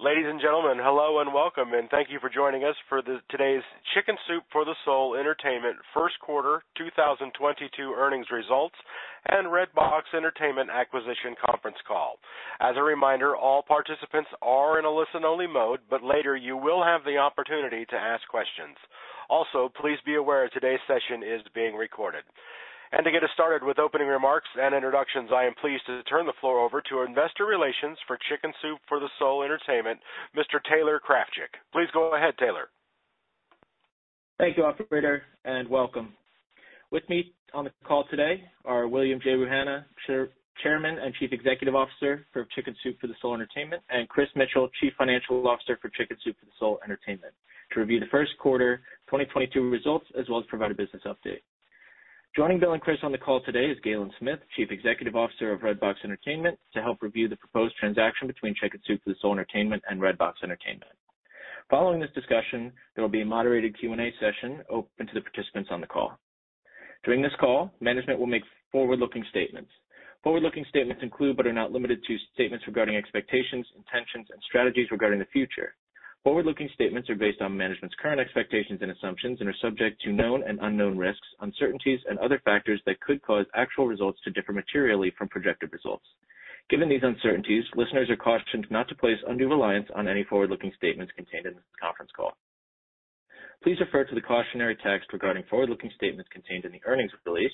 Ladies and gentlemen, hello and welcome, and thank you for joining us for today's Chicken Soup for the Soul Entertainment First Quarter 2022 Earnings Results and Redbox Entertainment Acquisition conference call. As a reminder, all participants are in a listen-only mode, but later you will have the opportunity to ask questions. Also, please be aware today's session is being recorded. To get us started with opening remarks and introductions, I am pleased to turn the floor over to Investor Relations for Chicken Soup for the Soul Entertainment, Mr. Taylor Krafchik. Please go ahead, Taylor. Thank you, operator, and welcome. With me on the call today are William J. Rouhana, Chairman and Chief Executive Officer for Chicken Soup for the Soul Entertainment, and Chris Mitchell, Chief Financial Officer for Chicken Soup for the Soul Entertainment, to review the first quarter 2022 results as well as provide a business update. Joining Bill and Chris on the call today is Galen Smith, Chief Executive Officer of Redbox Entertainment, to help review the proposed transaction between Chicken Soup for the Soul Entertainment and Redbox Entertainment. Following this discussion, there will be a moderated Q&A session open to the participants on the call. During this call, management will make forward-looking statements. Forward-looking statements include, but are not limited to, statements regarding expectations, intentions, and strategies regarding the future. Forward-looking statements are based on management's current expectations and assumptions and are subject to known and unknown risks, uncertainties, and other factors that could cause actual results to differ materially from projected results. Given these uncertainties, listeners are cautioned not to place undue reliance on any forward-looking statements contained in this conference call. Please refer to the cautionary text regarding forward-looking statements contained in the earnings release,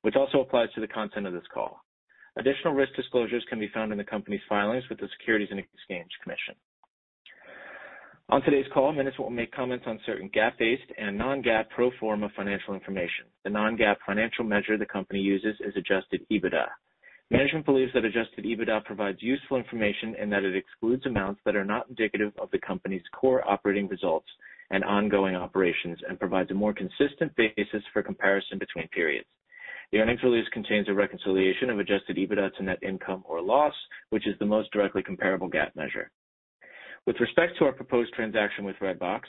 which also applies to the content of this call. Additional risk disclosures can be found in the company's filings with the Securities and Exchange Commission. On today's call, management will make comments on certain GAAP-based and non-GAAP pro forma financial information. The non-GAAP financial measure the company uses is adjusted EBITDA. Management believes that adjusted EBITDA provides useful information and that it excludes amounts that are not indicative of the company's core operating results and ongoing operations and provides a more consistent basis for comparison between periods. The earnings release contains a reconciliation of adjusted EBITDA to net income or loss, which is the most directly comparable GAAP measure. With respect to our proposed transaction with Redbox,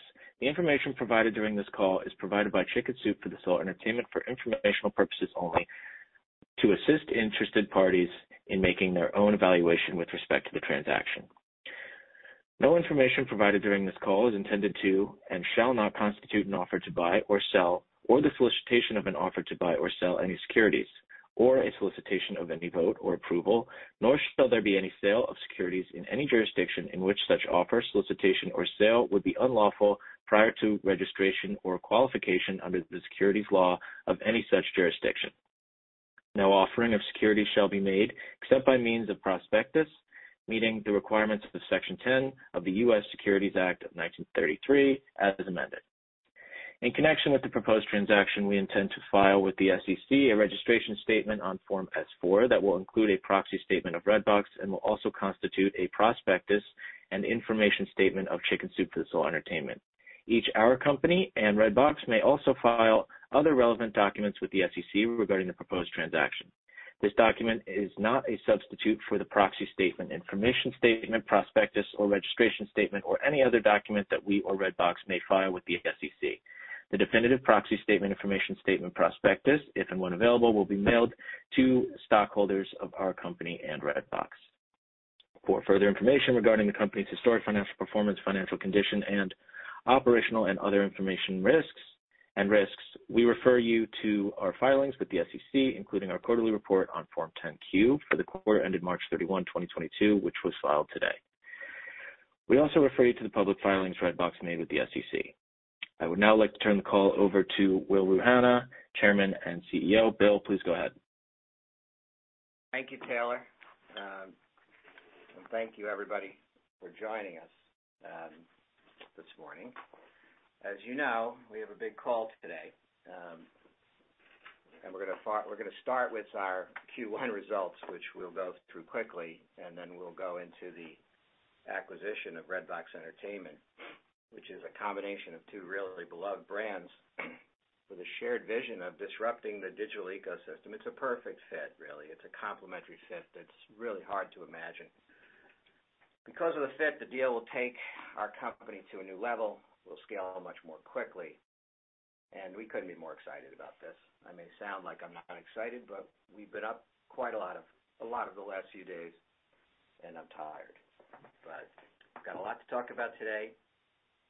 the information provided during this call is provided by Chicken Soup for the Soul Entertainment for informational purposes only to assist interested parties in making their own evaluation with respect to the transaction. No information provided during this call is intended to and shall not constitute an offer to buy or sell, or the solicitation of an offer to buy or sell any securities, or a solicitation of any vote or approval, nor shall there be any sale of securities in any jurisdiction in which such offer, solicitation, or sale would be unlawful prior to registration or qualification under the securities law of any such jurisdiction. No offering of securities shall be made except by means of prospectus, meeting the requirements of Section 10 of the U.S. Securities Act of 1933, as amended. In connection with the proposed transaction, we intend to file with the SEC a registration statement on Form S-4 that will include a proxy statement of Redbox and will also constitute a prospectus and information statement of Chicken Soup for the Soul Entertainment. Each, our company and Redbox, may also file other relevant documents with the SEC regarding the proposed transaction. This document is not a substitute for the proxy statement, information statement, prospectus or registration statement, or any other document that we or Redbox may file with the SEC. The definitive proxy statement, information statement, prospectus, if and when available, will be mailed to stockholders of our company and Redbox. For further information regarding the company's historical financial performance, financial condition, and operational and other information risks, we refer you to our filings with the SEC, including our quarterly report on Form 10-Q for the quarter ended March 31, 2022, which was filed today. We also refer you to the public filings Redbox made with the SEC. I would now like to turn the call over to Bill Rouhana, Chairman and CEO. Bill, please go ahead. Thank you, Taylor, and thank you everybody for joining us this morning. As you know, we have a big call today, and we're gonna start with our Q1 results, which we'll go through quickly, and then we'll go into the acquisition of Redbox Entertainment, which is a combination of two really beloved brands with a shared vision of disrupting the digital ecosystem. It's a perfect fit, really. It's a complementary fit that's really hard to imagine. Because of the fit, the deal will take our company to a new level. We'll scale much more quickly, and we couldn't be more excited about this. I may sound like I'm not excited, but we've been up quite a lot of the last few days, and I'm tired. Got a lot to talk about today.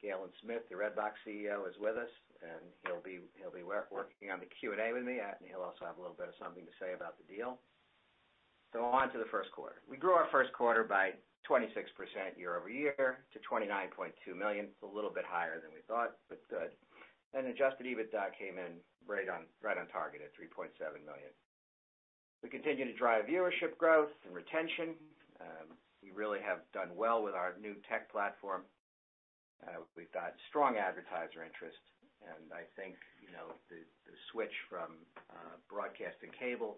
Galen Smith, the Redbox CEO, is with us, and he'll be working on the Q&A with me, and he'll also have a little bit of something to say about the deal. On to the first quarter. We grew our first quarter by 26% year-over-year to $29.2 million. It's a little bit higher than we thought, but good. Adjusted EBITDA came in right on target at $3.7 million. We continue to drive viewership growth and retention. We really have done well with our new tech platform. We've got strong advertiser interest, and I think, you know, the switch from broadcast and cable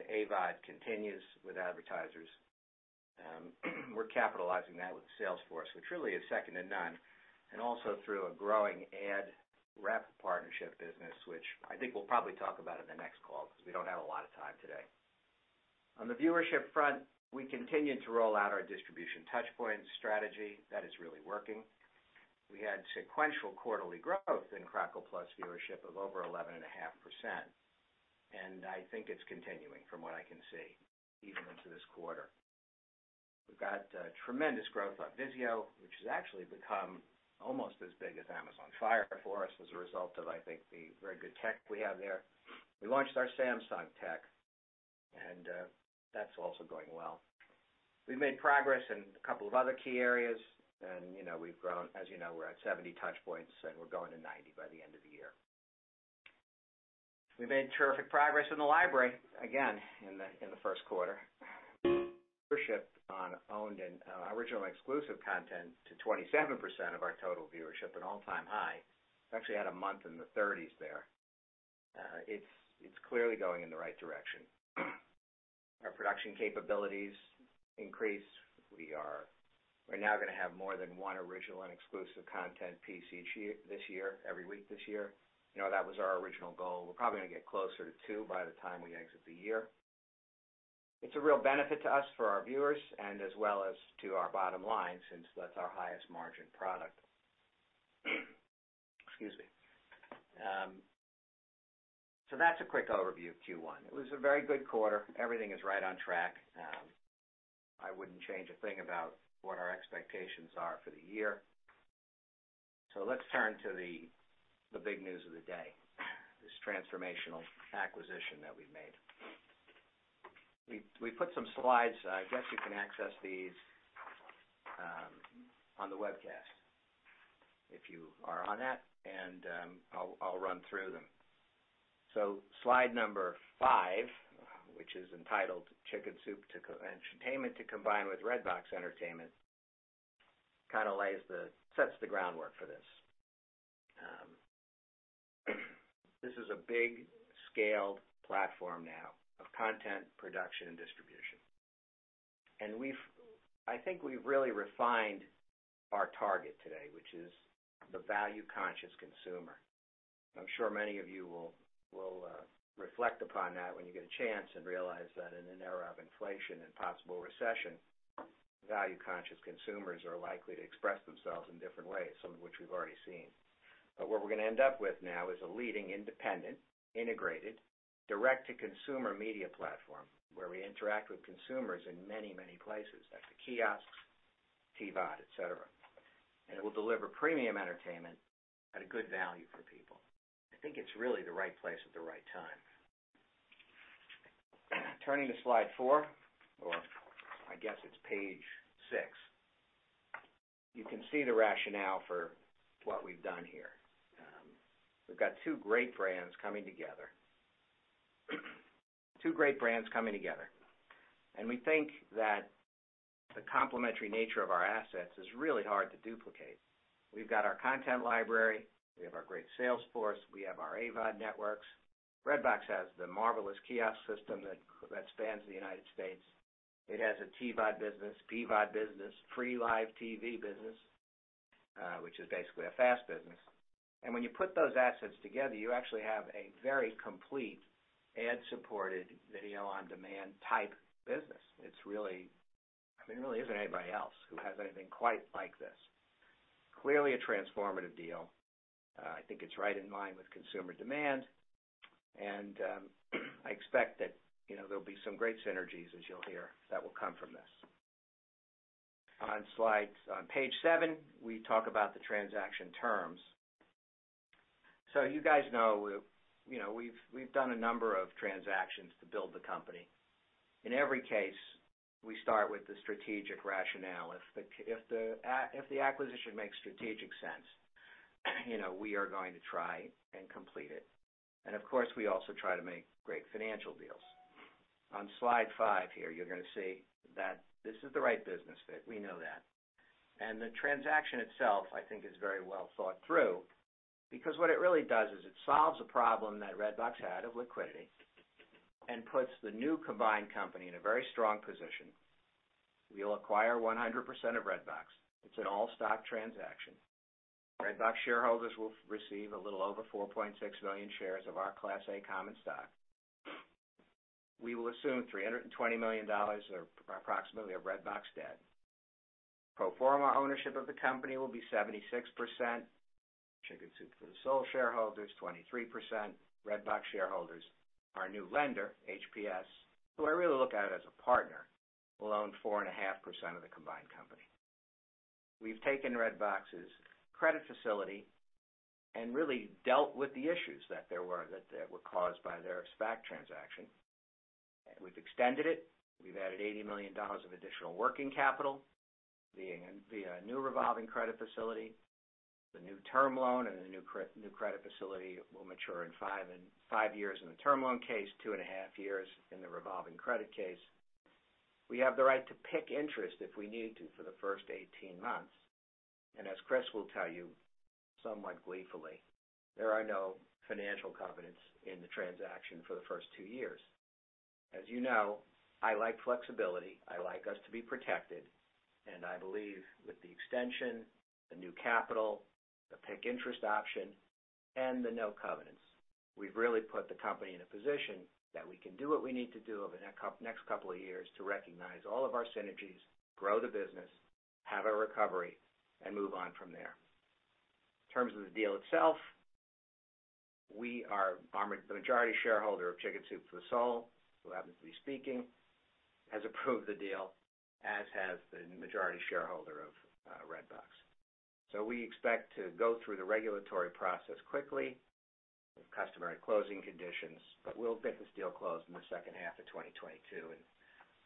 to AVOD continues with advertisers. We're capitalizing that with sales force, which really is second to none, and also through a growing ad rep partnership business, which I think we'll probably talk about in the next call because we don't have a lot of time today. On the viewership front, we continue to roll out our distribution touchpoint strategy. That is really working. We had sequential quarterly growth in Crackle Plus viewership of over 11.5%. I think it's continuing from what I can see even into this quarter. We've got tremendous growth on VIZIO, which has actually become almost as big as Amazon Fire for us as a result of, I think, the very good tech we have there. We launched our Samsung tech, and that's also going well. We've made progress in a couple of other key areas and, you know, we've grown. As you know, we're at 70 touch points and we're going to 90 by the end of the year. We've made terrific progress in the library again in the first quarter. Share of owned and original exclusive content to 27% of our total viewership an all-time high. It's actually had a month in the 30s there. It's clearly going in the right direction. Our production capabilities increase. We're now gonna have more than one original and exclusive content piece each week this year. You know, that was our original goal. We're probably gonna get closer to two by the time we exit the year. It's a real benefit to us, for our viewers and as well as to our bottom line, since that's our highest margin product. So that's a quick overview of Q1. It was a very good quarter. Everything is right on track. I wouldn't change a thing about what our expectations are for the year. Let's turn to the big news of the day, this transformational acquisition that we've made. We put some slides. I guess you can access these on the webcast if you are on that, and I'll run through them. Slide number five, which is entitled Chicken Soup for the Soul Entertainment to Combine with Redbox Entertainment, kind of sets the groundwork for this. This is a large-scale platform now of content production and distribution. I think we've really refined our target today, which is the value-conscious consumer. I'm sure many of you will reflect upon that when you get a chance and realize that in an era of inflation and possible recession, value-conscious consumers are likely to express themselves in different ways, some of which we've already seen. What we're gonna end up with now is a leading, independent, integrated direct-to-consumer media platform where we interact with consumers in many places, like the kiosks, TVOD, et cetera. It will deliver premium entertainment at a good value for people. I think it's really the right place at the right time. Turning to slide four, or I guess it's page six, you can see the rationale for what we've done here. We've got two great brands coming together. We think that the complementary nature of our assets is really hard to duplicate. We've got our content library. We have our great sales force. We have our AVOD networks. Redbox has the marvelous kiosk system that spans the United States. It has a TVOD business, PVOD business, free live TV business, which is basically a FAST business. When you put those assets together, you actually have a very complete ad-supported video-on-demand type business. It's really. I mean, there really isn't anybody else who has anything quite like this. Clearly a transformative deal. I think it's right in line with consumer demand, and I expect that, you know, there'll be some great synergies, as you'll hear, that will come from this. On page seven, we talk about the transaction terms. You guys know, you know, we've done a number of transactions to build the company. In every case, we start with the strategic rationale. If the acquisition makes strategic sense, you know, we are going to try and complete it. Of course, we also try to make great financial deals. On slide five here, you're gonna see that this is the right business fit. We know that. The transaction itself, I think, is very well thought through, because what it really does is it solves a problem that Redbox had of liquidity and puts the new combined company in a very strong position. We'll acquire 100% of Redbox. It's an all-stock transaction. Redbox shareholders will receive a little over 4.6 million shares of our Class A common stock. We will assume $320 million or approximately of Redbox debt. Pro forma ownership of the company will be 76%, Chicken Soup for the Soul shareholders 23%, Redbox shareholders. Our new lender, HPS, who I really look at as a partner, will own 4.5% of the combined company. We've taken Redbox's credit facility and really dealt with the issues that were caused by their SPAC transaction. We've extended it. We've added $80 million of additional working capital via new revolving credit facility. The new term loan and the new credit facility will mature in five years in the term loan case, two and a half years in the revolving credit case. We have the right to pick interest if we need to for the first 18 months. As Chris will tell you, somewhat gleefully, there are no financial covenants in the transaction for the first two years. As you know, I like flexibility. I like us to be protected, and I believe with the extension, the new capital, the PIK interest option and the no covenants. We've really put the company in a position that we can do what we need to do over the next couple of years to recognize all of our synergies, grow the business, have a recovery, and move on from there. In terms of the deal itself, the majority shareholder of Chicken Soup for the Soul, who happens to be speaking, has approved the deal, as has the majority shareholder of Redbox. We expect to go through the regulatory process quickly with customary closing conditions, but we'll get this deal closed in the second half of 2022, and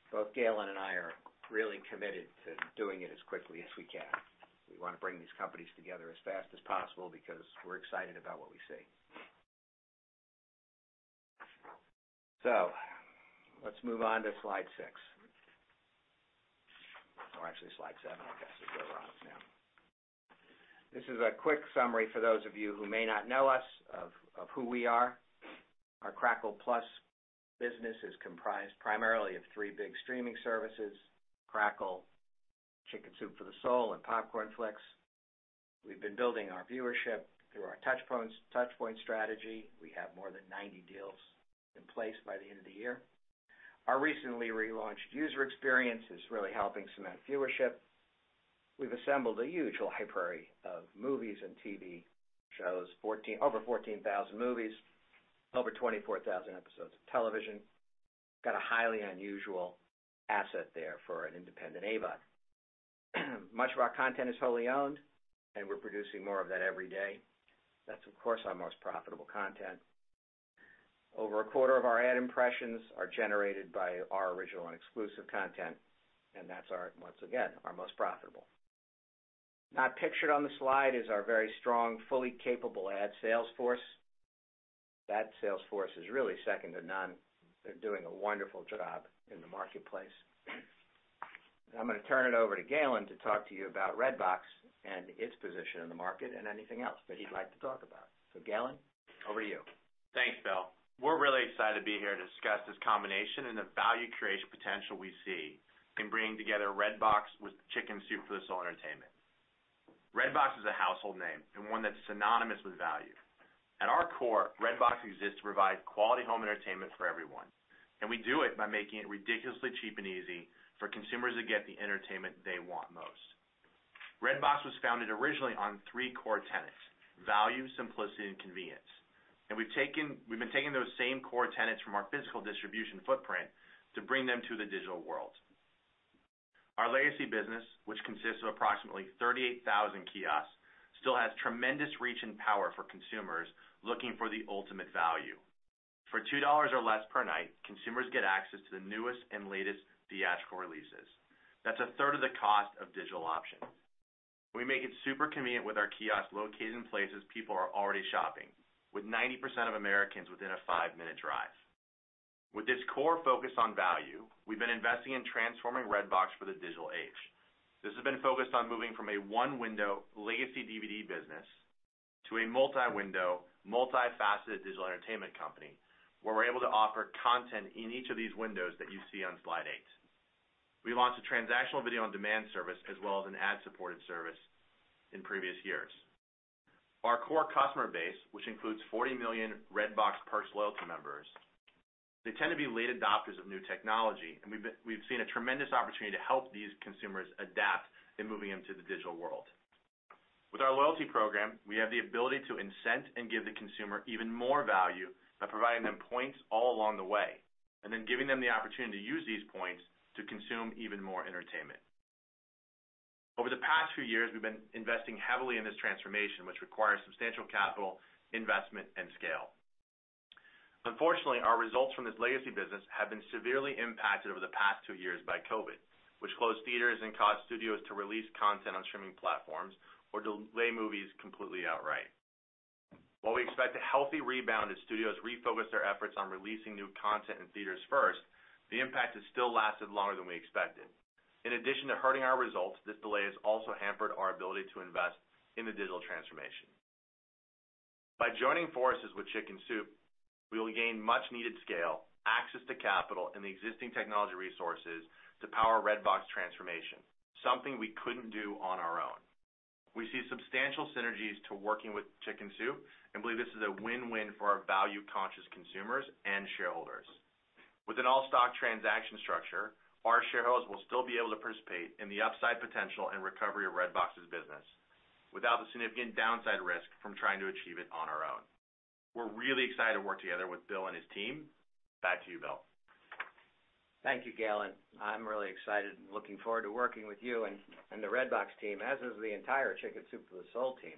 both Galen and I are really committed to doing it as quickly as we can. We wanna bring these companies together as fast as possible because we're excited about what we see. Let's move on to slide six. Actually slide seven, I guess, since we're on it now. This is a quick summary for those of you who may not know us of who we are. Our Crackle Plus business is comprised primarily of three big streaming services, Crackle, Chicken Soup for the Soul, and Popcornflix. We've been building our viewership through our touch points, touch point strategy. We have more than 90 deals in place by the end of the year. Our recently relaunched user experience is really helping cement viewership. We've assembled a huge library of movies and TV shows. Over 14,000 movies, over 24,000 episodes of television. Got a highly unusual asset there for an independent AVOD. Much of our content is wholly owned, and we're producing more of that every day. That's, of course, our most profitable content. Over a quarter of our ad impressions are generated by our original and exclusive content, and that's our, once again, our most profitable. Not pictured on the slide is our very strong, fully capable ad sales force. That sales force is really second to none. They're doing a wonderful job in the marketplace. I'm gonna turn it over to Galen to talk to you about Redbox and its position in the market and anything else that he'd like to talk about. Galen, over to you. Thanks, Bill. We're really excited to be here to discuss this combination and the value creation potential we see in bringing together Redbox with Chicken Soup for the Soul Entertainment. Redbox is a household name and one that's synonymous with value. At our core, Redbox exists to provide quality home entertainment for everyone, and we do it by making it ridiculously cheap and easy for consumers to get the entertainment they want most. Redbox was founded originally on three core tenets: value, simplicity, and convenience. We've been taking those same core tenets from our physical distribution footprint to bring them to the digital world. Our legacy business, which consists of approximately 38,000 kiosks, still has tremendous reach and power for consumers looking for the ultimate value. For $2 or less per night, consumers get access to the newest and latest theatrical releases. That's a third of the cost of digital options. We make it super convenient with our kiosks located in places people are already shopping, with 90% of Americans within a five-minute drive. With this core focus on value, we've been investing in transforming Redbox for the digital age. This has been focused on moving from a one-window legacy DVD business to a multi-window, multi-faceted digital entertainment company, where we're able to offer content in each of these windows that you see on slide 8. We launched a transactional video on demand service as well as an ad-supported service in previous years. Our core customer base, which includes 40 million Redbox Perks loyalty members, they tend to be late adopters of new technology, and we've seen a tremendous opportunity to help these consumers adapt in moving into the digital world. With our loyalty program, we have the ability to incent and give the consumer even more value by providing them points all along the way, and then giving them the opportunity to use these points to consume even more entertainment. Over the past few years, we've been investing heavily in this transformation, which requires substantial capital investment and scale. Unfortunately, our results from this legacy business have been severely impacted over the past two years by COVID, which closed theaters and caused studios to release content on streaming platforms or delay movies completely outright. While we expect a healthy rebound as studios refocus their efforts on releasing new content in theaters first, the impact has still lasted longer than we expected. In addition to hurting our results, this delay has also hampered our ability to invest in the digital transformation. By joining forces with Chicken Soup, we will gain much-needed scale, access to capital, and the existing technology resources to power Redbox transformation, something we couldn't do on our own. We see substantial synergies to working with Chicken Soup and believe this is a win-win for our value-conscious consumers and shareholders. With an all-stock transaction structure, our shareholders will still be able to participate in the upside potential and recovery of Redbox's business without the significant downside risk from trying to achieve it on our own. We're really excited to work together with Bill and his team. Back to you, Bill. Thank you, Galen. I'm really excited and looking forward to working with you and the Redbox team, as is the entire Chicken Soup for the Soul team.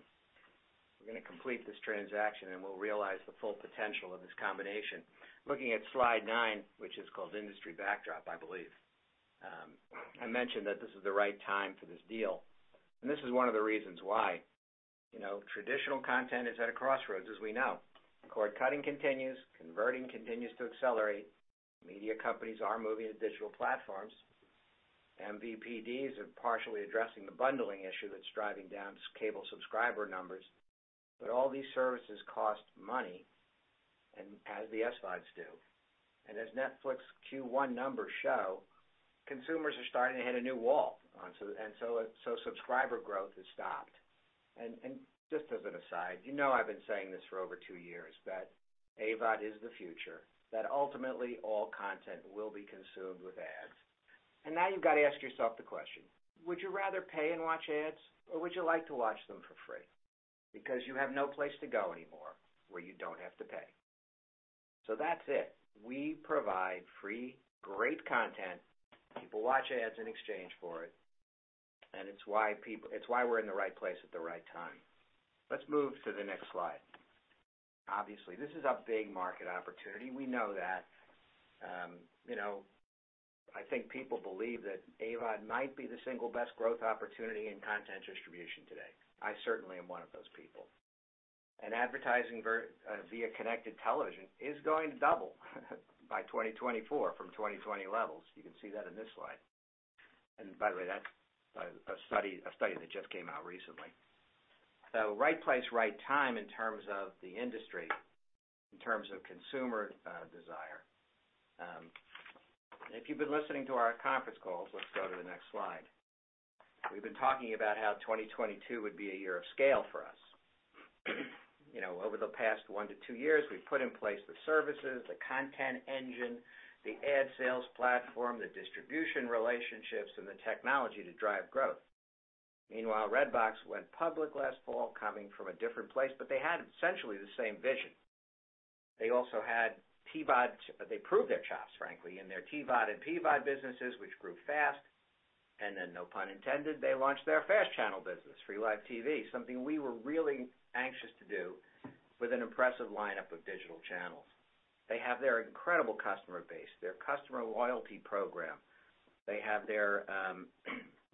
We're gonna complete this transaction, and we'll realize the full potential of this combination. Looking at slide nine, which is called Industry Backdrop, I believe. I mentioned that this is the right time for this deal, and this is one of the reasons why. You know, traditional content is at a crossroads, as we know. Cord-cutting continues to accelerate. Media companies are moving to digital platforms. MVPDs are partially addressing the bundling issue that's driving down cable subscriber numbers. All these services cost money, as the SVODs do. As Netflix Q1 numbers show, consumers are starting to hit a new wall. Subscriber growth has stopped. Just as an aside, you know I've been saying this for over two years that AVOD is the future, that ultimately all content will be consumed with ads. Now you've got to ask yourself the question. Would you rather pay and watch ads, or would you like to watch them for free? Because you have no place to go anymore where you don't have to pay. That's it. We provide free, great content. People watch ads in exchange for it, and it's why we're in the right place at the right time. Let's move to the next slide. Obviously, this is a big market opportunity. We know that. You know, I think people believe that AVOD might be the single best growth opportunity in content distribution today. I certainly am one of those people. Advertising via connected television is going to double by 2024 from 2020 levels. You can see that in this slide. By the way, that's a study that just came out recently. Right place, right time in terms of the industry, in terms of consumer desire. If you've been listening to our conference calls, let's go to the next slide. We've been talking about how 2022 would be a year of scale for us. You know, over the past one to two years, we've put in place the services, the content engine, the ad sales platform, the distribution relationships, and the technology to drive growth. Meanwhile, Redbox went public last fall, coming from a different place, but they had essentially the same vision. They also had PVOD. They proved their chops, frankly, in their TVOD and PVOD businesses, which grew fast. No pun intended, they launched their fast channel business, free live TV, something we were really anxious to do with an impressive lineup of digital channels. They have their incredible customer base, their customer loyalty program. They have their,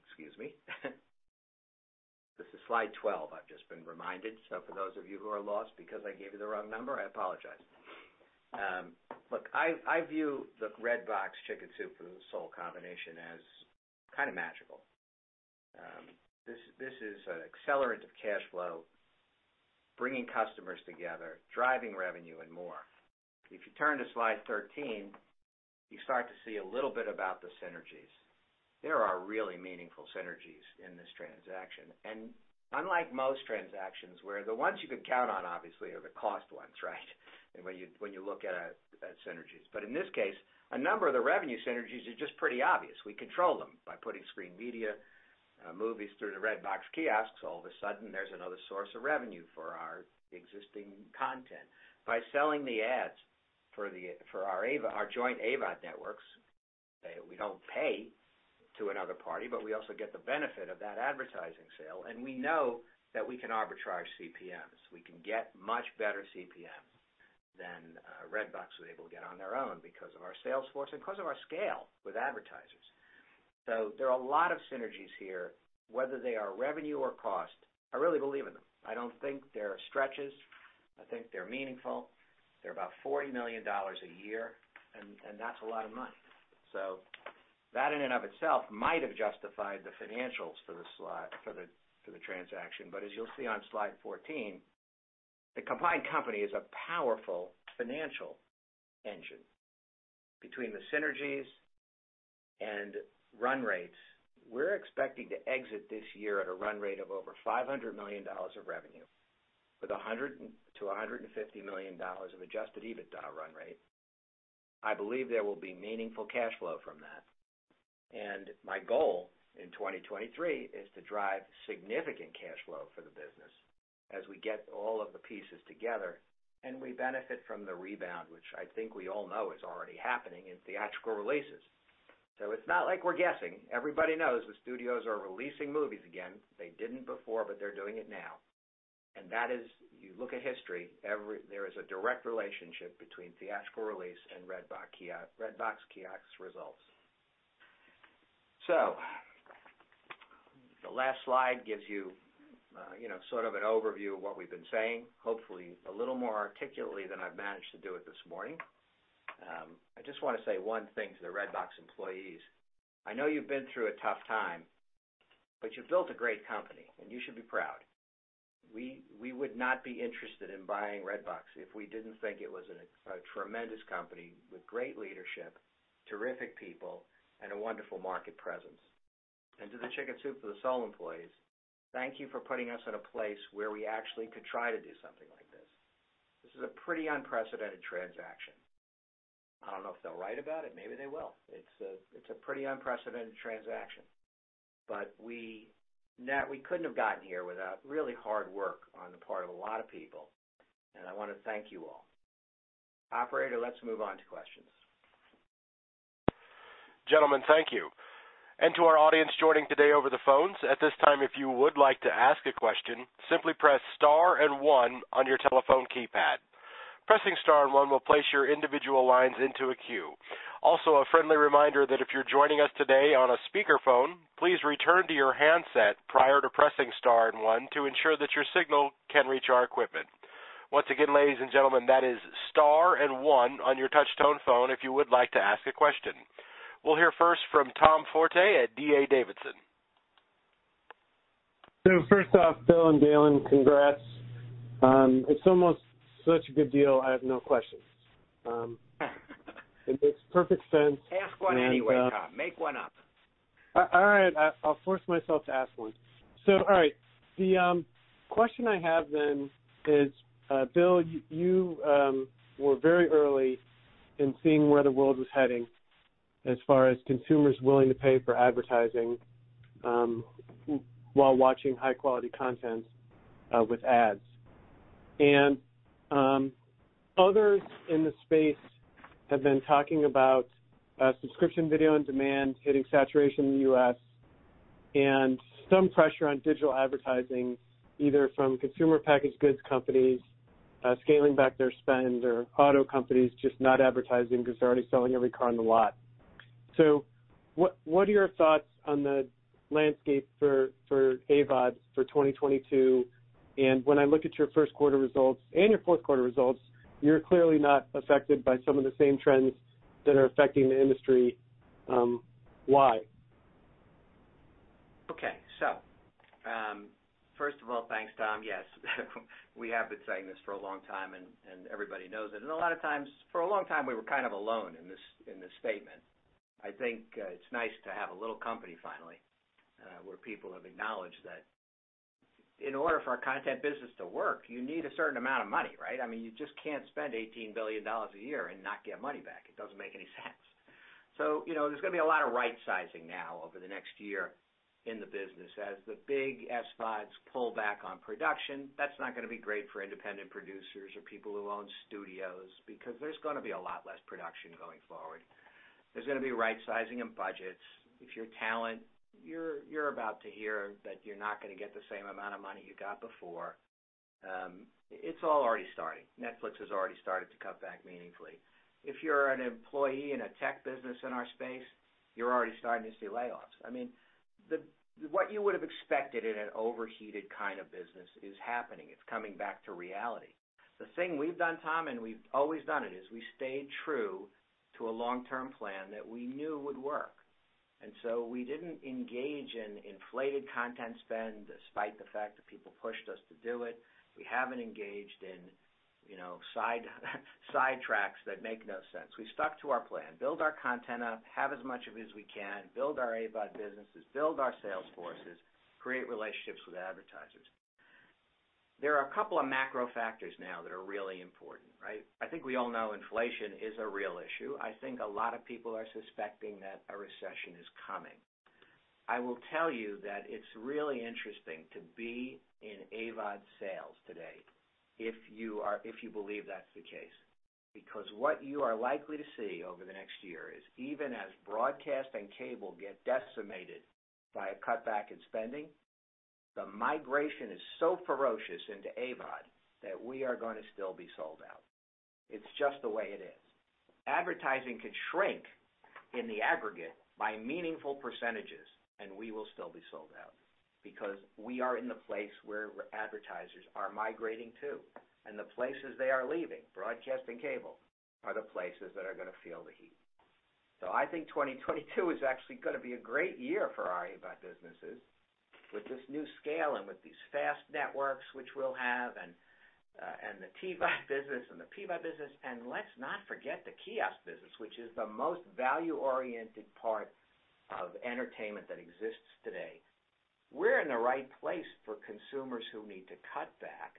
excuse me. This is slide 12. I've just been reminded. For those of you who are lost because I gave you the wrong number, I apologize. Look, I view the Redbox Chicken Soup for the Soul combination as kind of magical. This is an accelerant of cash flow, bringing customers together, driving revenue and more. If you turn to slide 13, you start to see a little bit about the synergies. There are really meaningful synergies in this transaction. Unlike most transactions, where the ones you can count on obviously are the cost ones, right? When you look at synergies. In this case, a number of the revenue synergies are just pretty obvious. We control them by putting Screen Media movies through the Redbox kiosks. All of a sudden, there's another source of revenue for our existing content. By selling the ads for our joint AVOD networks, we don't pay to another party, but we also get the benefit of that advertising sale. We know that we can arbitrage CPMs. We can get much better CPM than Redbox would able to get on their own because of our sales force and because of our scale with advertisers. There are a lot of synergies here, whether they are revenue or cost. I really believe in them. I don't think they're stretches. I think they're meaningful. They're about $40 million a year, and that's a lot of money. That in and of itself might have justified the financials for the transaction. As you'll see on slide 14, the combined company is a powerful financial engine. Between the synergies and run rates, we're expecting to exit this year at a run rate of over $500 million of revenue with $100 million-$150 million of adjusted EBITDA run rate. I believe there will be meaningful cash flow from that. My goal in 2023 is to drive significant cash flow for the business as we get all of the pieces together and we benefit from the rebound, which I think we all know is already happening in theatrical releases. It's not like we're guessing. Everybody knows the studios are releasing movies again. They didn't before, but they're doing it now. That is. You look at history, there is a direct relationship between theatrical release and Redbox kiosk results. The last slide gives you know, sort of an overview of what we've been saying, hopefully a little more articulately than I've managed to do it this morning. I just wanna say one thing to the Redbox employees. I know you've been through a tough time, but you built a great company, and you should be proud. We would not be interested in buying Redbox if we didn't think it was a tremendous company with great leadership, terrific people, and a wonderful market presence. To the Chicken Soup for the Soul employees, thank you for putting us in a place where we actually could try to do something like this. This is a pretty unprecedented transaction. I don't know if they'll write about it. Maybe they will. It's a pretty unprecedented transaction. Now we couldn't have gotten here without really hard work on the part of a lot of people, and I wanna thank you all. Operator, let's move on to questions. Gentlemen, thank you. To our audience joining today over the phones, at this time, if you would like to ask a question, simply press star and one on your telephone keypad. Pressing star and one will place your individual lines into a queue. Also, a friendly reminder that if you're joining us today on a speakerphone, please return to your handset prior to pressing star and one to ensure that your signal can reach our equipment. Once again, ladies and gentlemen, that is star and one on your touch-tone phone if you would like to ask a question. We'll hear first from Tom Forte at D.A. Davidson. First off, Bill and Galen, congrats. It's almost such a good deal, I have no questions. It makes perfect sense. Ask one anyway, Tom. Make one up. All right. I'll force myself to ask one. All right. The question I have then is, Will, you were very early in seeing where the world was heading as far as consumers willing to pay for advertising, while watching high quality content, with ads. Others in the space have been talking about, subscription video on demand hitting saturation in the U.S. and some pressure on digital advertising, either from consumer packaged goods companies, scaling back their spend or auto companies just not advertising because they're already selling every car on the lot. What are your thoughts on the landscape for AVOD for 2022? When I look at your first quarter results and your fourth quarter results, you're clearly not affected by some of the same trends that are affecting the industry. Why? Okay. First of all, thanks, Tom. Yes, we have been saying this for a long time and everybody knows it. A lot of times, for a long time, we were kind of alone in this statement. I think it's nice to have a little company finally, where people have acknowledged that in order for our content business to work, you need a certain amount of money, right? I mean, you just can't spend $18 billion a year and not get money back. It doesn't make any sense. You know, there's gonna be a lot of right-sizing now over the next year in the business. As the big SVODs pull back on production, that's not gonna be great for independent producers or people who own studios because there's gonna be a lot less production going forward. There's gonna be right-sizing in budgets. If you're talent, you're about to hear that you're not gonna get the same amount of money you got before. It's all already starting. Netflix has already started to cut back meaningfully. If you're an employee in a tech business in our space, you're already starting to see layoffs. I mean, what you would have expected in an overheated kind of business is happening. It's coming back to reality. The thing we've done, Tom, and we've always done it, is we stayed true to a long-term plan that we knew would work. We didn't engage in inflated content spend despite the fact that people pushed us to do it. We haven't engaged in, you know, side tracks that make no sense. We stuck to our plan, build our content up, have as much of it as we can, build our AVOD businesses, build our sales forces, create relationships with advertisers. There are a couple of macro factors now that are really important, right? I think we all know inflation is a real issue. I think a lot of people are suspecting that a recession is coming. I will tell you that it's really interesting to be in AVOD sales today if you believe that's the case. Because what you are likely to see over the next year is even as broadcast and cable get decimated by a cutback in spending, the migration is so ferocious into AVOD that we are gonna still be sold out. It's just the way it is. Advertising could shrink in the aggregate by meaningful percentages, and we will still be sold out because we are in the place where advertisers are migrating to, and the places they are leaving, broadcast and cable, are the places that are gonna feel the heat. I think 2022 is actually gonna be a great year for our AVOD businesses with this new scale and with these FAST networks which we'll have, and the TVOD business and the PVOD business. Let's not forget the kiosk business, which is the most value-oriented part of entertainment that exists today. We're in the right place for consumers who need to cut back,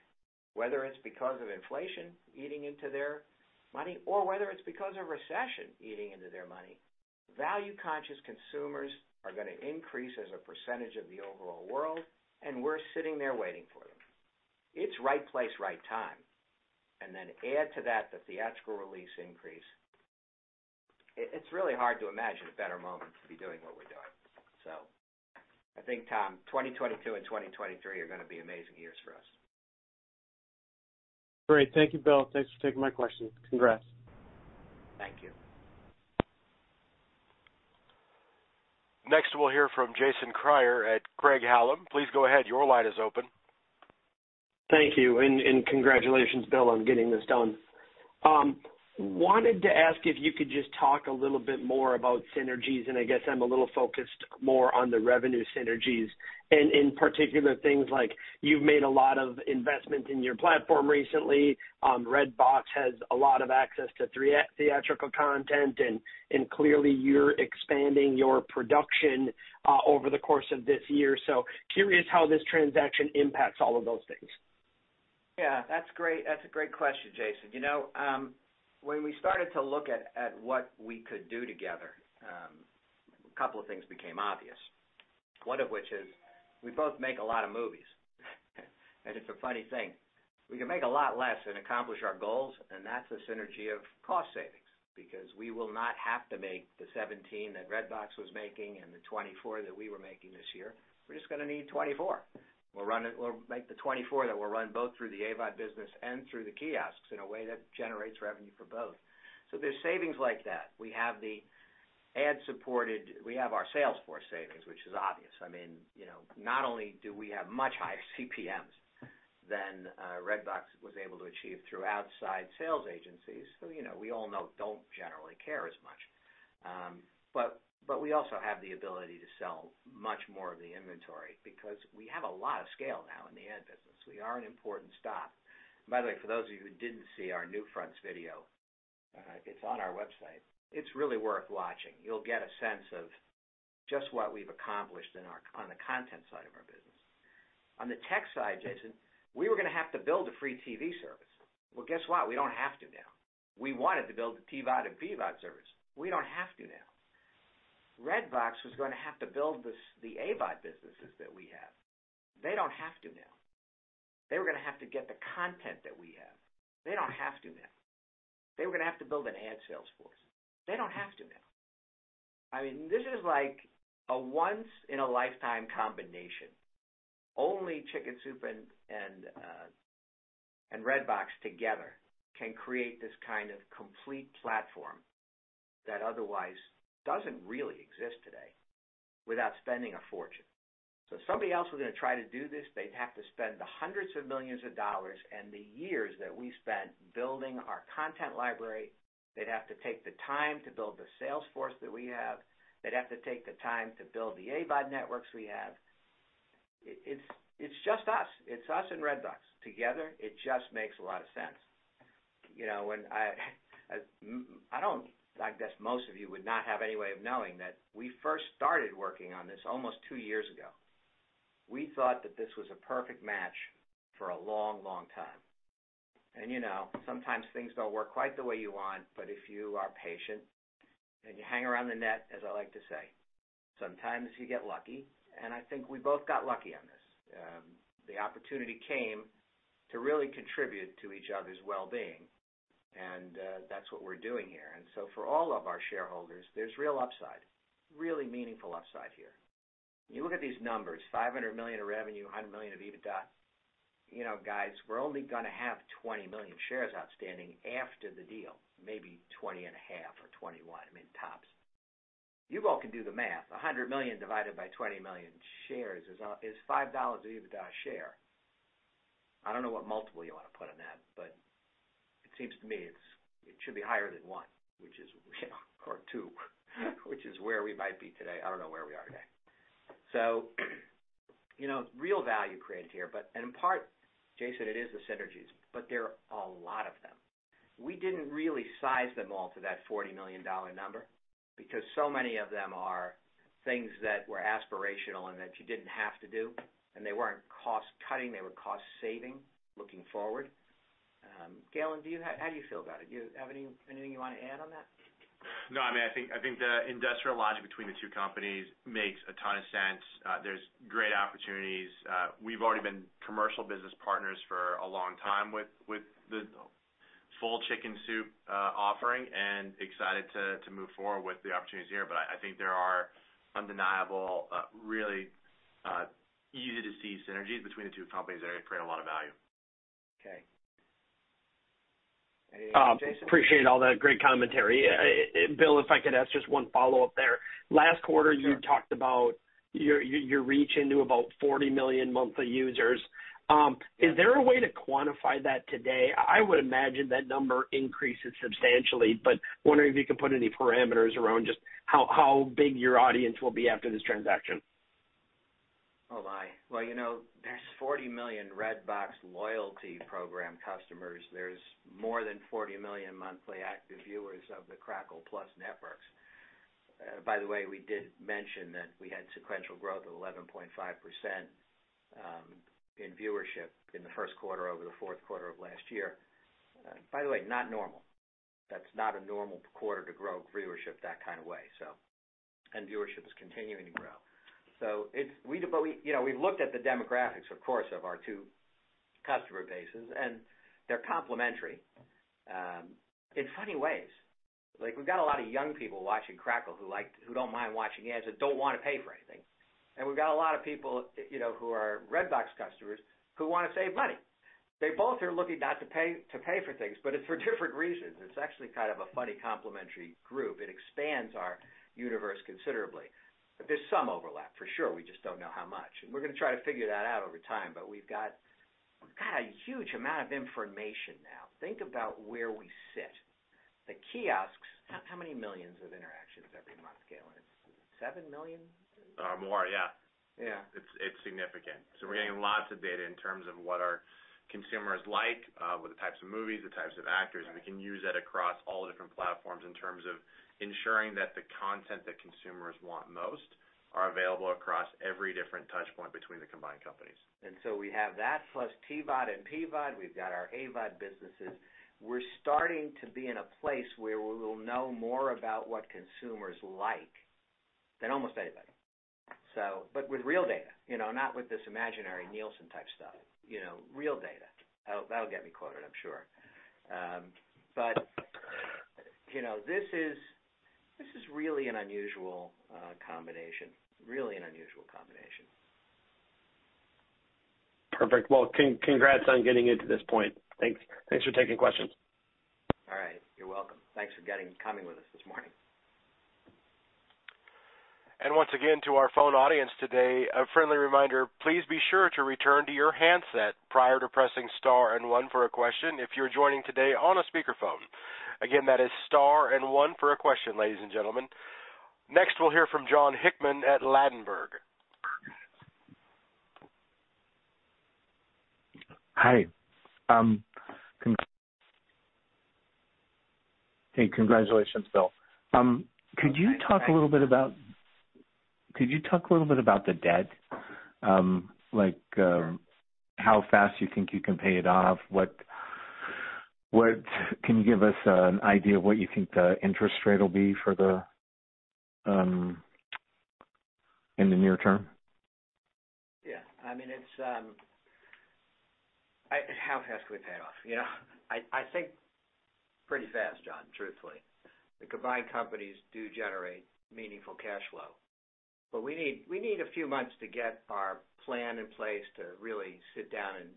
whether it's because of inflation eating into their money or whether it's because of recession eating into their money. Value-conscious consumers are gonna increase as a percentage of the overall world, and we're sitting there waiting for them. It's right place, right time. Add to that the theatrical release increase. It's really hard to imagine a better moment to be doing what we're doing. I think, Tom, 2022 and 2023 are gonna be amazing years for us. Great. Thank you, Bill. Thanks for taking my questions. Congrats. Thank you. Next, we'll hear from Jason Kreyer at Craig-Hallum. Please go ahead. Your line is open. Thank you. Congratulations, Bill, on getting this done. Wanted to ask if you could just talk a little bit more about synergies, and I guess I'm a little focused more on the revenue synergies and in particular things like you've made a lot of investments in your platform recently. Redbox has a lot of access to theatrical content, and clearly you're expanding your production over the course of this year. Curious how this transaction impacts all of those things. Yeah. That's great. That's a great question, Jason. You know, when we started to look at what we could do together, a couple of things became obvious. One of which is we both make a lot of movies. It's a funny thing. We can make a lot less and accomplish our goals, and that's a synergy of cost savings because we will not have to make the 17 that Redbox was making and the 24 that we were making this year. We're just gonna need 24. We'll make the 24 that will run both through the AVOD business and through the kiosks in a way that generates revenue for both. There's savings like that. We have our sales force savings, which is obvious. I mean, you know, not only do we have much higher CPMs than Redbox was able to achieve through outside sales agencies who, you know, we all know don't generally care as much. But we also have the ability to sell much more of the inventory because we have a lot of scale now in the ad business. We are an important stop. By the way, for those of you who didn't see our NewFronts video, it's on our website. It's really worth watching. You'll get a sense of just what we've accomplished on the content side of our business. On the tech side, Jason, we were gonna have to build a free TV service. Well, guess what? We don't have to now. We wanted to build the TVOD and PVOD service. We don't have to now. Redbox was gonna have to build this, the AVOD businesses that we have. They don't have to now. They were gonna have to get the content that we have. They don't have to now. They were gonna have to build an ad sales force. They don't have to now. I mean, this is like a once-in-a-lifetime combination. Only Chicken Soup and Redbox together can create this kind of complete platform that otherwise doesn't really exist today without spending a fortune. If somebody else was gonna try to do this, they'd have to spend the hundreds of millions and the years that we spent building our content library, they'd have to take the time to build the sales force that we have. They'd have to take the time to build the AVOD networks we have. It's just us. It's us and Redbox. Together, it just makes a lot of sense. You know, when I don't, I guess most of you would not have any way of knowing that we first started working on this almost two years ago. We thought that this was a perfect match for a long, long time. You know, sometimes things don't work quite the way you want, but if you are patient, then you hang around the net, as I like to say. Sometimes you get lucky, and I think we both got lucky on this. The opportunity came to really contribute to each other's well-being, and that's what we're doing here. For all of our shareholders, there's real upside, really meaningful upside here. You look at these numbers, $500 million of revenue, $100 million of EBITDA. You know, guys, we're only gonna have 20 million shares outstanding after the deal, maybe 20.5 or 21, I mean, tops. You all can do the math. 100 million divided by 20 million shares is five dollars of EBITDA a share. I don't know what multiple you wanna put on that, but it seems to me it's. It should be higher than 1, which is, you know, or 2, which is where we might be today. I don't know where we are today. You know, real value created here, but and in part, Jason, it is the synergies, but there are a lot of them. We didn't really size them all to that $40 million number because so many of them are things that were aspirational and that you didn't have to do, and they weren't cost-cutting. They were cost-saving, looking forward. Galen, how do you feel about it? Do you have anything you wanna add on that? No. I mean, I think the industrial logic between the two companies makes a ton of sense. There's great opportunities. We've already been commercial business partners for a long time with the full Chicken Soup offering and excited to move forward with the opportunities here. I think there are undeniable really easy-to-see synergies between the two companies that create a lot of value. Okay. Jason? Appreciate all that great commentary. Bill, if I could ask just one follow-up there. Sure. Last quarter, you talked about your reach into about 40 million monthly users. Yeah. Is there a way to quantify that today? I would imagine that number increases substantially, but wondering if you can put any parameters around just how big your audience will be after this transaction. Oh, my. Well, you know, there's 40 million Redbox loyalty program customers. There's more than 40 million monthly active viewers of the Crackle Plus networks. By the way, we did mention that we had sequential growth of 11.5% in viewership in the first quarter over the fourth quarter of last year. By the way, not normal. That's not a normal quarter to grow viewership that kind of way, so. Viewership is continuing to grow. But we, you know, we've looked at the demographics, of course, of our two customer bases, and they're complementary in funny ways. Like, we've got a lot of young people watching Crackle who don't mind watching ads and don't wanna pay for anything. We've got a lot of people, you know, who are Redbox customers who wanna save money. They both are looking not to pay, to pay for things, but it's for different reasons. It's actually kind of a funny complementary group. It expands our universe considerably. There's some overlap, for sure. We just don't know how much. We're gonna try to figure that out over time. We've got a huge amount of information now. Think about where we sit. The kiosks, how many millions of interactions every month, Galen? It's 7 million? More, yeah. Yeah. It's significant. We're getting lots of data in terms of what our consumers like, with the types of movies, the types of actors. Right. We can use that across all the different platforms in terms of ensuring that the content that consumers want most are available across every different touch point between the combined companies. We have that plus TVOD and PVOD. We've got our AVOD businesses. We're starting to be in a place where we will know more about what consumers like than almost anybody. But with real data, you know, not with this imaginary Nielsen type stuff. You know, real data. That'll get me quoted, I'm sure. You know, this is really an unusual combination. Really an unusual combination. Perfect. Well, congrats on getting it to this point. Thanks for taking questions. All right. You're welcome. Thanks for coming with us this morning. Once again to our phone audience today, a friendly reminder, please be sure to return to your handset prior to pressing star and one for a question if you're joining today on a speakerphone. Again, that is star and one for a question, ladies and gentlemen. Next, we'll hear from Jon Hickman at Ladenburg Thalmann. Hi. Hey, congratulations, Bill. Could you talk a little bit about the debt? Like, how fast you think you can pay it off? Can you give us an idea of what you think the interest rate will be for the in the near term? Yeah. I mean, it's how fast can we pay it off, you know? I think pretty fast, John, truthfully. The combined companies do generate meaningful cash flow. We need a few months to get our plan in place to really sit down and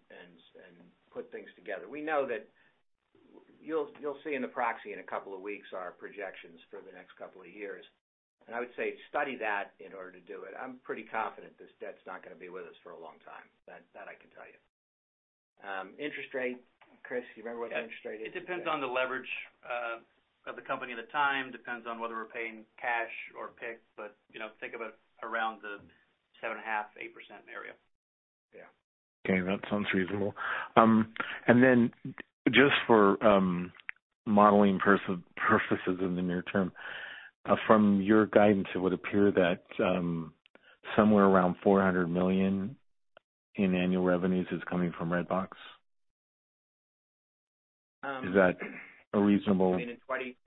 put things together. We know that you'll see in the proxy in a couple of weeks our projections for the next couple of years. I would say study that in order to do it. I'm pretty confident this debt's not gonna be with us for a long time. That I can tell you. Interest rate. Chris, do you remember what the interest rate is? It depends on the leverage of the company at the time. Depends on whether we're paying cash or PIC, but, you know, think of it around the 7.5-8% area. Yeah. Okay. That sounds reasonable. Just for modeling purposes in the near term, from your guidance, it would appear that somewhere around $400 million in annual revenues is coming from Redbox. Um. Is that a reasonable? I mean,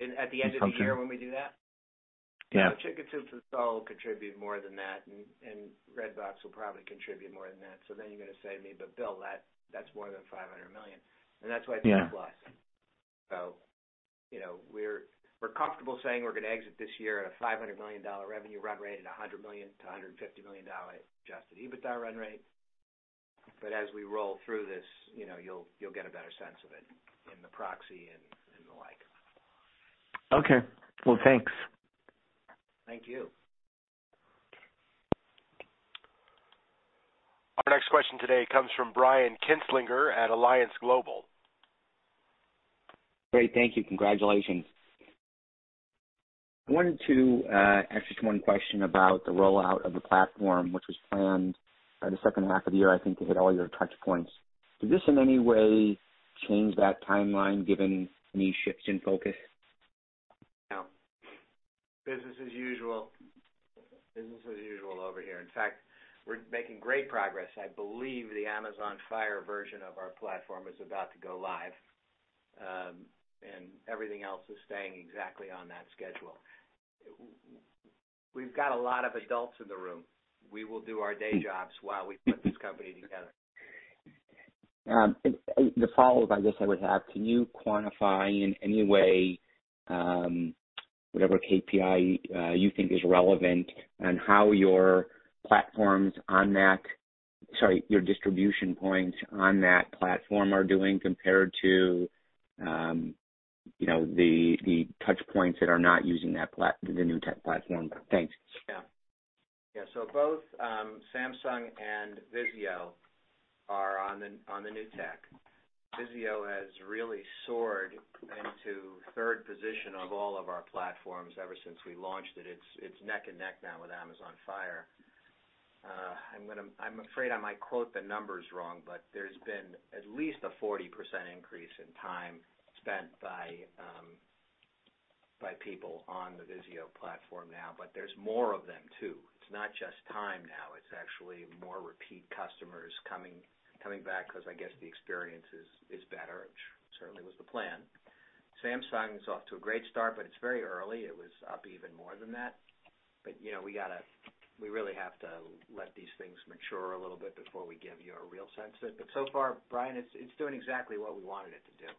in at the end of the year when we do that? Yeah. Chicken Soup for the Soul will contribute more than that, and Redbox will probably contribute more than that. You're gonna say to me, "But Bill, that's more than $500 million." That's why it's plus. Yeah. You know, we're comfortable saying we're gonna exit this year at a $500 million revenue run rate at a $100 million-$150 million adjusted EBITDA run rate. As we roll through this, you know, you'll get a better sense of it in the proxy and the like. Okay. Well, thanks. Thank you. Our next question today comes from Brian Kinstlinger at Alliance Global. Great. Thank you. Congratulations. I wanted to ask just one question about the rollout of the platform, which was planned by the second half of the year, I think to hit all your touchpoints. Does this in any way change that timeline given any shifts in focus? No. Business as usual. Business as usual over here. In fact, we're making great progress. I believe the Amazon Fire version of our platform is about to go live, and everything else is staying exactly on that schedule. We've got a lot of adults in the room. We will do our day jobs while we put this company together. The follow-up I guess I would have, can you quantify in any way, whatever KPI you think is relevant on how your distribution points on that platform are doing compared to, you know, the touchpoints that are not using the new tech platform? Thanks. Yeah. Both Samsung and VIZIO are on the new tech. VIZIO has really soared into third position of all of our platforms ever since we launched it. It's neck and neck now with Amazon Fire. I'm afraid I might quote the numbers wrong, but there's been at least a 40% increase in time spent by people on the VIZIO platform now. There's more of them, too. It's not just time now. It's actually more repeat customers coming back because I guess the experience is better, which certainly was the plan. Samsung's off to a great start, but it's very early. It was up even more than that. You know, we really have to let these things mature a little bit before we give you a real sense of it. So far, Brian, it's doing exactly what we wanted it to do.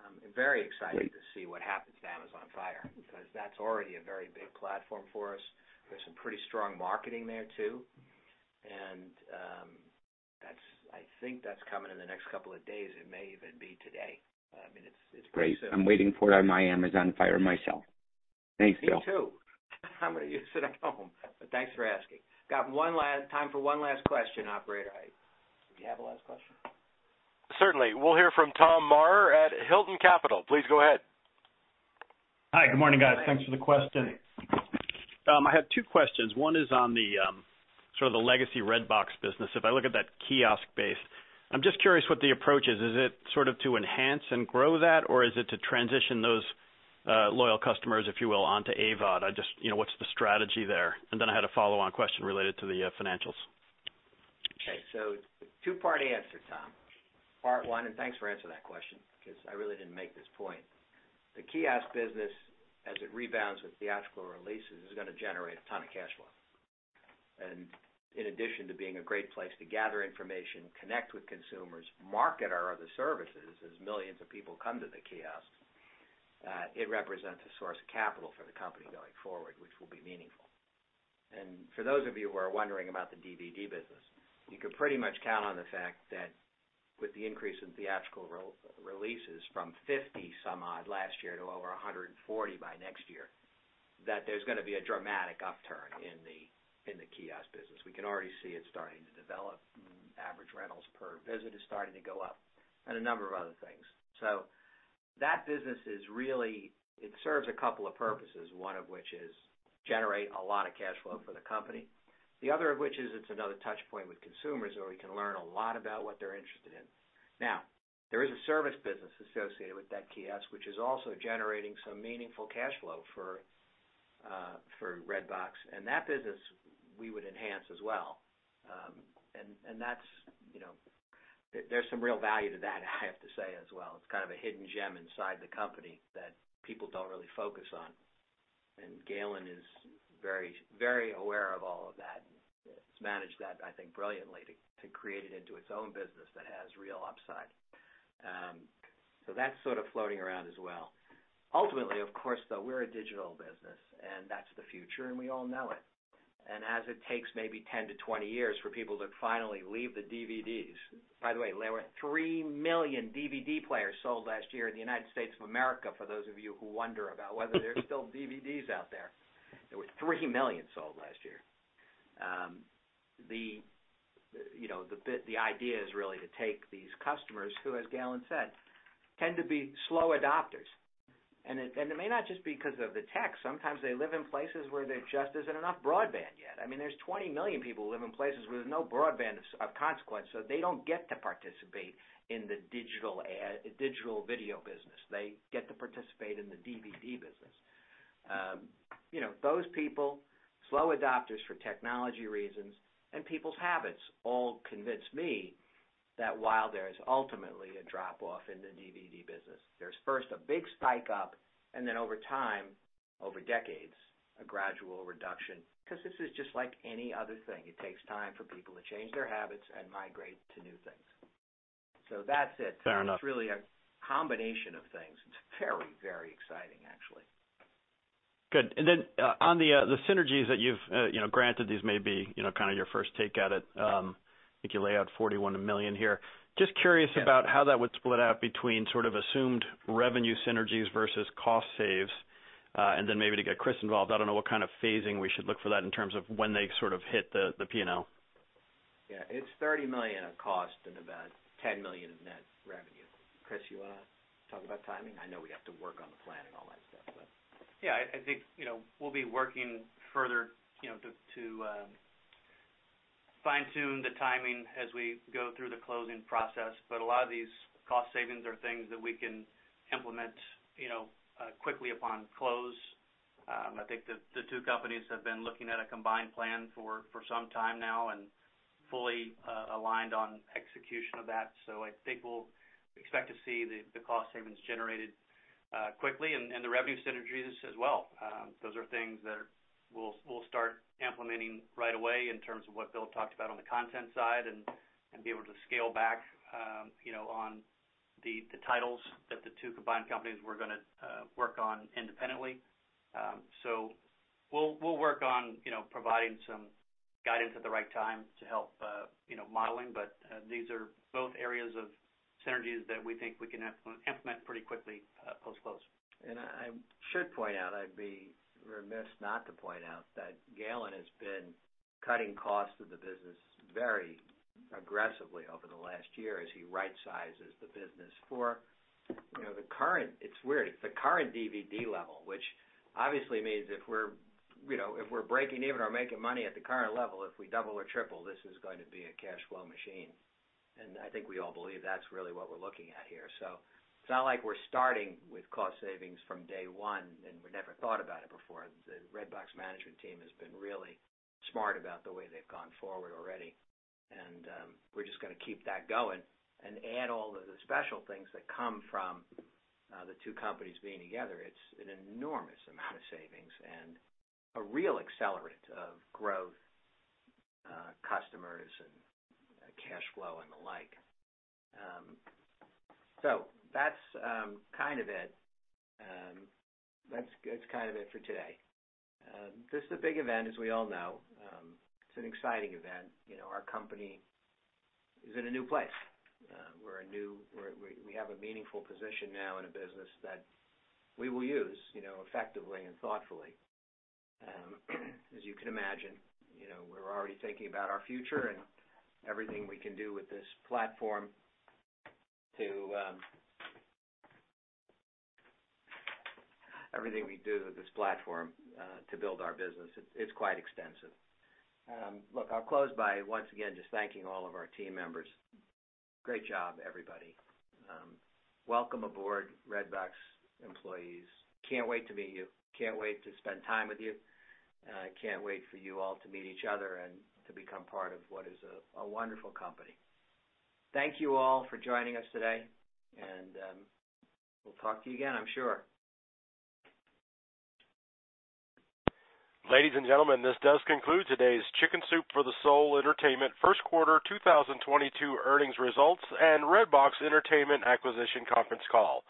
I'm very excited to see what happens to Amazon Fire because that's already a very big platform for us. There's some pretty strong marketing there too. I think that's coming in the next couple of days. It may even be today. I mean, it's pretty soon. Great. I'm waiting for it on my Amazon Fire myself. Thanks, Bill. Me too. I'm gonna use it at home. Thanks for asking. Got time for one last question, operator. Do you have a last question? Certainly. We'll hear from Tom Maher at Hilton Capital. Please go ahead. Hi. Good morning, guys. Thanks for the question. I have two questions. One is on the sort of the legacy Redbox business. If I look at that kiosk base, I'm just curious what the approach is. Is it sort of to enhance and grow that, or is it to transition those loyal customers, if you will, onto AVOD? I just, you know, what's the strategy there? I had a follow-on question related to the financials. Okay. Two-part answer, Tom. Part one, and thanks for asking that question because I really didn't make this point. The kiosk business, as it rebounds with theatrical releases, is gonna generate a ton of cash flow. In addition to being a great place to gather information, connect with consumers, market our other services as millions of people come to the kiosks, it represents a source of capital for the company going forward, which will be meaningful. For those of you who are wondering about the DVD business, you can pretty much count on the fact that with the increase in theatrical re-releases from 50-some-odd last year to over 140 by next year, that there's gonna be a dramatic upturn in the kiosk business. We can already see it starting to develop. Average rentals per visit is starting to go up and a number of other things. That business is really. It serves a couple of purposes, one of which is generate a lot of cash flow for the company. The other of which is it's another touch point with consumers where we can learn a lot about what they're interested in. Now, there is a service business associated with that kiosk, which is also generating some meaningful cash flow for Redbox. That business we would enhance as well. That's, you know, there's some real value to that, I have to say as well. It's kind of a hidden gem inside the company that people don't really focus on. Galen is very, very aware of all of that. He's managed that, I think, brilliantly to create it into its own business that has real upside. So that's sort of floating around as well. Ultimately, of course, though, we're a digital business, and that's the future, and we all know it. As it takes maybe 10-20 years for people to finally leave the DVDs. By the way, there were 3 million DVD players sold last year in the United States of America, for those of you who wonder about whether there's still DVDs out there. There were 3 million sold last year. You know, the idea is really to take these customers who, as Galen said, tend to be slow adopters. It may not just be 'cause of the tech. Sometimes they live in places where there just isn't enough broadband yet. I mean, there's 20 million people who live in places where there's no broadband of consequence, so they don't get to participate in the digital video business. They get to participate in the DVD business. You know, those people, slow adopters for technology reasons and people's habits all convince me that while there is ultimately a drop off in the DVD business, there's first a big spike up and then over time, over decades, a gradual reduction. 'Cause this is just like any other thing. It takes time for people to change their habits and migrate to new things. That's it. Fair enough. It's really a combination of things. It's very, very exciting, actually. Good. Then, on the synergies that you've you know, granted these may be, you know, kinda your first take at it. I think you lay out $41 million here. Just curious about how that would split out between sort of assumed revenue synergies versus cost saves. Then maybe to get Chris involved, I don't know what kind of phasing we should look for that in terms of when they sort of hit the P&L. Yeah. It's $30 million of cost and about $10 million of net revenue. Chris, you wanna talk about timing? I know we have to work on the plan and all that stuff, but. Yeah, I think, you know, we'll be working further, you know, to fine-tune the timing as we go through the closing process. A lot of these cost savings are things that we can implement, you know, quickly upon close. I think the two companies have been looking at a combined plan for some time now and fully aligned on execution of that. I think we'll expect to see the cost savings generated quickly and the revenue synergies as well. Those are things that we'll start implementing right away in terms of what Bill talked about on the content side and be able to scale back, you know, on the titles that the two combined companies were gonna work on independently. We'll work on, you know, providing some guidance at the right time to help, you know, modeling. These are both areas of synergies that we think we can implement pretty quickly post-close. I should point out, I'd be remiss not to point out that Galen has been cutting costs of the business very aggressively over the last year as he right-sizes the business for, you know, the current DVD level, which obviously means if we're, you know, if we're breaking even or making money at the current level, if we double or triple, this is going to be a cash flow machine. I think we all believe that's really what we're looking at here. It's not like we're starting with cost savings from day one and we never thought about it before. The Redbox management team has been really smart about the way they've gone forward already, and we're just gonna keep that going and add all of the special things that come from the two companies being together. It's an enormous amount of savings and a real accelerant of growth, customers and cash flow and the like. That's kind of it. That's kind of it for today. This is a big event, as we all know. It's an exciting event. You know, our company is in a new place. We have a meaningful position now in a business that we will use, you know, effectively and thoughtfully. As you can imagine, you know, we're already thinking about our future and everything we can do with this platform. Everything we do with this platform to build our business. It's quite extensive. Look, I'll close by once again just thanking all of our team members. Great job, everybody. Welcome aboard, Redbox employees. Can't wait to meet you. Can't wait to spend time with you. Can't wait for you all to meet each other and to become part of what is a wonderful company. Thank you all for joining us today, and we'll talk to you again, I'm sure. Ladies and gentlemen, this does conclude today's Chicken Soup for the Soul Entertainment first quarter 2022 earnings results and Redbox Entertainment acquisition conference call.